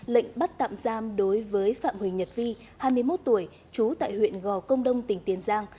lệnh bắt tạm giam đối với phạm huỳnh nhật vi hai mươi một tuổi trú tại huyện gò công đông tỉnh tiền giang